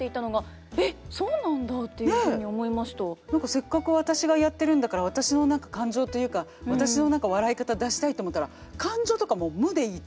せっかく私がやってるんだから私の感情というか私の笑い方出したいと思ったら「感情とか無でいい」と。